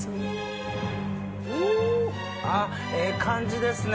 ええ感じですね。